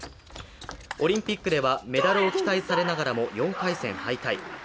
オリンピックではメダルを期待されながらも４回戦敗退。